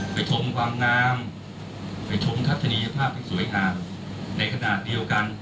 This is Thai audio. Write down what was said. ชมความงามไปชมทัศนียภาพที่สวยงามในขณะเดียวกัน